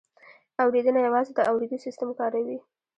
اورېدنه یوازې د اورېدو سیستم کاروي